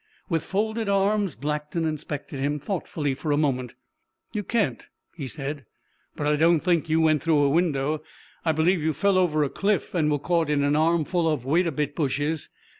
With folded arms, Blackton inspected him thoughtfully for a moment. "You can't," he said. "But I don't think you went through a window. I believe you fell over a cliff and were caught in an armful of wait a bit bushes.